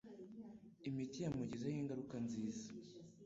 Imiti yamugizeho ingaruka nziza.